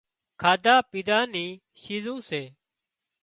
کاڌا پيڌا نِي شيزون سي